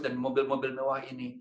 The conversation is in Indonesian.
dan mobil mobil mewah ini